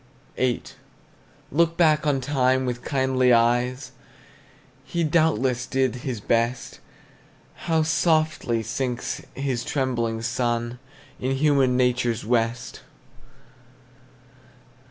VIII. Look back on time with kindly eyes, He doubtless did his best; How softly sinks his trembling sun In human nature's west!